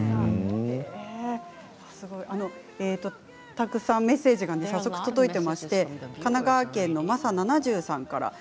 たくさんメッセージが届いていまして神奈川県の方です。